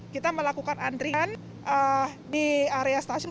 kita melakukan antrian di area stasiun